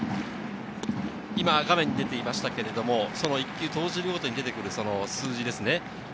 画面に出ていましたが、１球投じるごとに出てくる数字です。